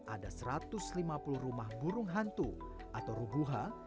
ada satu ratus lima puluh rumah burung hantu atau ruguha